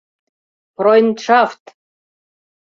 — Фройндшафт!